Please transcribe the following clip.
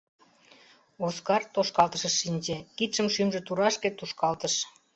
Оскар тошкалтышыш шинче, кидшым шӱмжӧ турашке тушкалтыш.